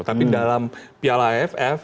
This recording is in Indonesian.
tapi dalam piala aff